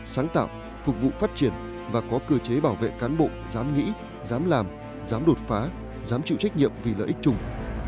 sáng tạo phục vụ phát triển và có cơ chế bảo vệ cán bộ dám nghĩ dám làm dám đột phá dám chịu trách nhiệm vì lợi ích chung